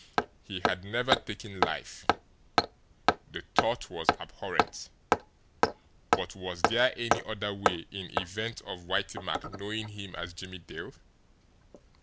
He had never taken life the thought was abhorrent! But was there any other way in event of Whitey Mack knowing him as Jimmie Dale?